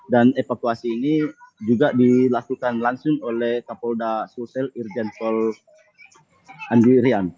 dan evakuasi ini juga dilakukan langsung oleh kapolda sutil irjenkol andirian